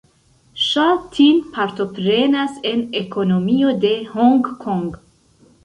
Ŝa Tin partoprenas en ekonomio de Honkongo.